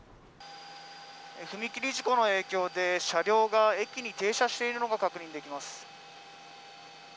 踏切事故の影響で車両が駅に停車しているのが確認できます。